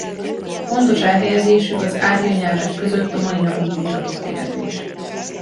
Pontos elhelyezésük az árja nyelvek között a mai napig vitatott kérdés.